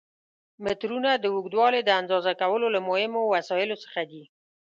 مترونه د اوږدوالي د اندازه کولو له مهمو وسایلو څخه دي.